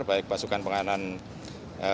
baik pasukan pengainan tni